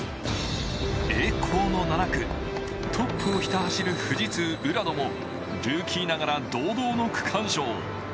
栄光の７区、トップをひた走る富士通・浦野もルーキーながら堂々の区間賞。